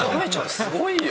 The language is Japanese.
すごいよ。